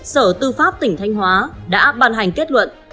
sở tư pháp tỉnh thanh hóa đã ban hành kết luận